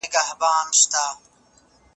رښتينی انسان تل د عدالت غوښتنه کوي.